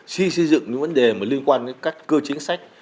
khi xây dựng những vấn đề mà liên quan đến các cơ chính sách